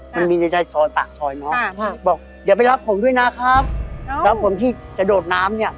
มันมีในใจซอยปากซอยเนาะบอกเดี๋ยวไปรับผมด้วยนะครับแล้วผมที่จะโดดน้ำเนี่ย